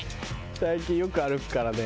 最近よく歩くからね。